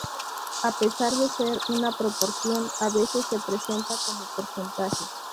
A pesar de ser una proporción a veces se presenta como porcentaje.